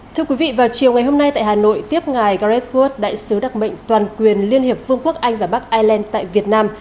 thưa quý vị vào chiều ngày hôm nay tại hà nội tiếp ngài gred prot đại sứ đặc mệnh toàn quyền liên hiệp vương quốc anh và bắc ireland tại việt nam